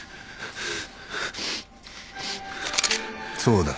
そうだ。